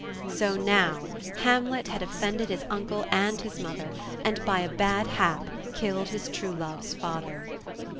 So now Hamlet had offended his uncle and his mother, and by bad hap killed his true love's father.